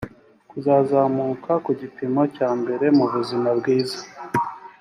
kuzazamuka ku gipimo cya mbere mubuzima bwiza